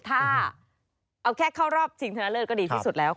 ถ้าเอาแค่เข้ารอบชิงชนะเลิศก็ดีที่สุดแล้ว